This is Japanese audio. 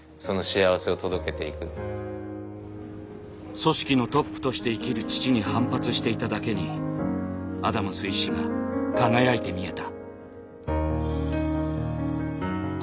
組織のトップとして生きる父に反発していただけにアダムス医師が輝いて見えた。